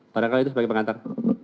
pada kali itu sebagai pengantar